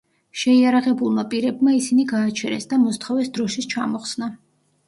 შეიარაღებულმა პირებმა ისინი გააჩერეს და მოსთხოვეს დროშის ჩამოხსნა.